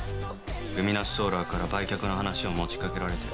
ルミナスソーラーから売却の話を持ちかけられてる。